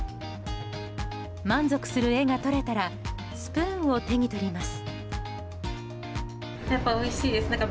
満足する画が撮れたらスプーンを手に取ります。